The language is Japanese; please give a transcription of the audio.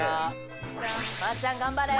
まーちゃん頑張れ！